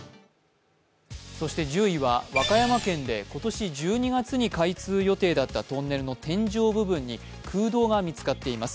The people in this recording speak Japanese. １０位は和歌山県で今年１２月に予定だったトンネルの天井部分に空洞が見つかっております。